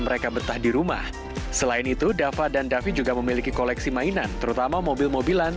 mereka betah di rumah selain itu dava dan davi juga memiliki koleksi mainan terutama mobil mobilan